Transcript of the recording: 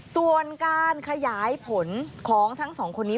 ส่วนการขยายผลของทั้งสองคนนี้